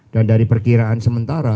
dan dari perkiraan sementara